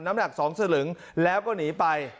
น้ำหนัก๒สลึงแล้วก็หนีไป